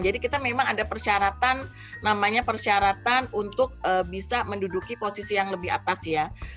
jadi kita memang ada persyaratan namanya persyaratan untuk bisa menduduki posisi yang lebih atas ya